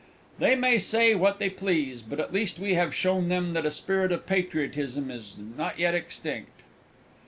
"They may say what they please but at least we have shown them that the Spirit of Patriotism is not yet extinct!"